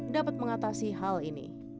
dapat mengatasi hal ini